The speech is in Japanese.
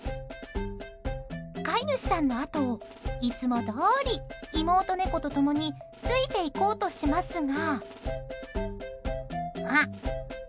飼い主さんのあとをいつもどおり、妹猫と共についていこうとしますが。